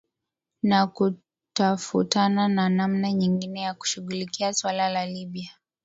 na kutafutana na namna nyingine ya kushughulikia suala la libya